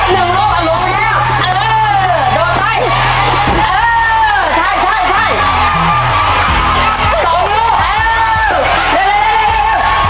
เริ่มครับ